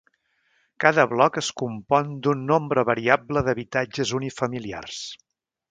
Cada bloc es compon d'un nombre variable d'habitatges unifamiliars.